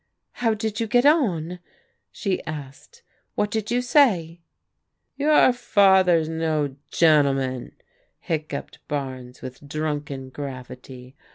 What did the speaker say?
" How did you get on? " she asked. " What did you say? " "Your father's no gentleman," hiccuped Barnes with drunken gravity.